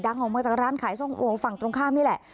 ออกมาจากร้านขายส้มโอฝั่งตรงข้ามนี่แหละ